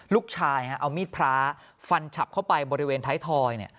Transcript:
ลูกชายเอามีดพระฟันฉับเข้าไปบริเวณท้ายทอย